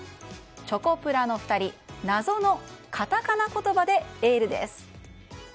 チョコプラの２人謎のカタカナ言葉でエールです。